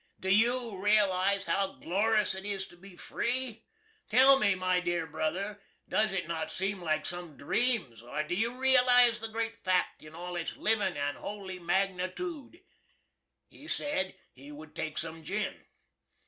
Do you realize how glorus it is to be free? Tell me, my dear brother, does it not seem like some dreams, or do you realize the great fact in all its livin' and holy magnitood?" He sed he would take some gin.